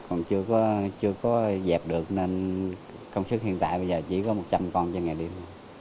còn chưa có dẹp được nên công sức hiện tại bây giờ chỉ có một trăm linh con trên ngày đêm